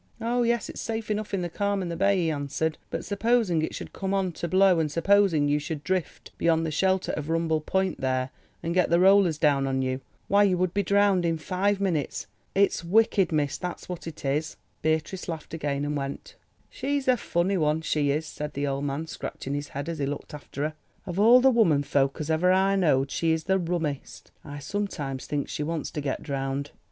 "Oh, yes, it's safe enough in the calm and the bay," he answered, "but supposing it should come on to blow and supposing you should drift beyond the shelter of Rumball Point there, and get the rollers down on you—why you would be drowned in five minutes. It's wicked, miss, that's what it is." Beatrice laughed again and went. "She's a funny one she is," said the old man scratching his head as he looked after her, "of all the woman folk as ever I knowed she is the rummest. I sometimes thinks she wants to get drowned.